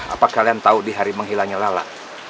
apa kalian tahu di hari menghilangnya lala